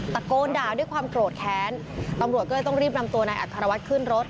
ตะโกนด่าด้วยความโกรธแค้นตำรวจก็เลยต้องรีบนำตัวนายอัครวัฒน์ขึ้นรถ